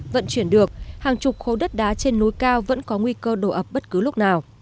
vận chuyển được hàng chục khối đất đá trên núi cao vẫn có nguy cơ đổ ập bất cứ lúc nào